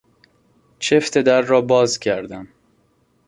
چفت در را باز کردم.